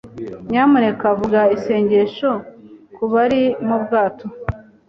Nyamuneka vuga isengesho kubari mu bwato.